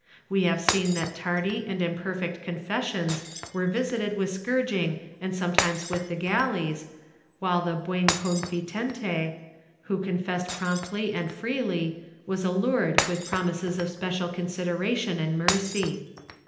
We have seen that tardy and imperfect confessions were visited with scourging and sometimes with the galleys, while the huen confitente, who confessed promptly and freely, was allured with promises of special consideration and mercy.